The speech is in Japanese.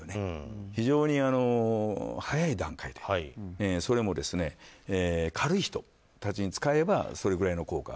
非常に早い段階でそれも軽い人たちに使えばそれくらいの効果が。